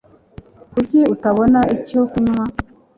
Kuki utabona icyo kunywa?